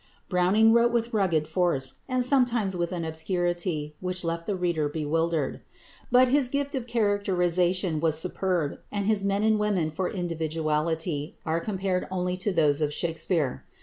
Browning wrote with rugged force, and sometimes with an obscurity which left the reader bewildered. But his gift of characterisation was superb, and his men and women for individuality are comparable only to those of Shakspere.